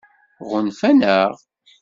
Ɣunfan-aɣ?